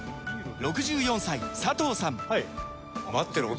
６４歳佐藤さん